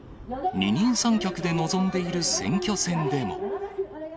二人三脚で臨んでいる選挙戦でも。